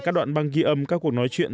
các đoạn băng ghi âm các cuộc nói chuyện